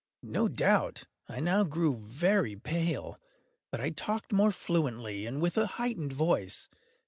No doubt I now grew very pale;—but I talked more fluently, and with a heightened voice.